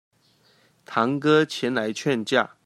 堂哥前來勸架